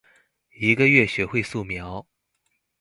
一個月學會素描